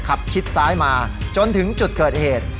ชิดซ้ายมาจนถึงจุดเกิดเหตุ